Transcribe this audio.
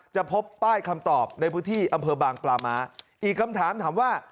พบป้ายคำตอบในพื้นที่อำเภอบางปลาม้าอีกคำถามถามว่า